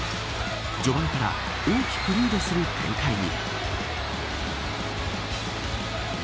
序盤から大きくリードする展開に。